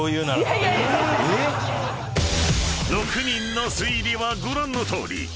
［６人の推理はご覧のとおり］